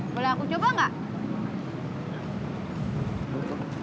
boleh aku coba gak